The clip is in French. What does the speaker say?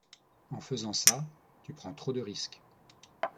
En faisant ça, tu prends trop de risques.